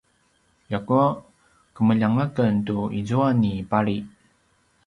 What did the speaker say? ljakua kemeljang aken tu izua ni pali